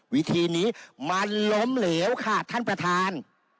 วิธีนี้มันล้มเหลวค่ะท่านประธาน